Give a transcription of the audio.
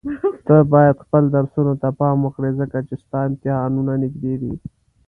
ته بايد خپل درسونو ته پام وکړي ځکه چي ستا امتحانونه نيږدي دي.